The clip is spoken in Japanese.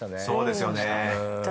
［そうですよね］